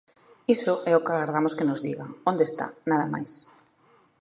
Iso é o que agardamos que nos digan, onde está, nada máis.